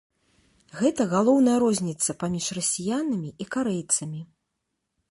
Гэта галоўная розніца паміж расіянамі і карэйцамі.